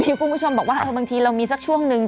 มีคุณผู้ชมบอกว่าบางทีเรามีสักช่วงนึง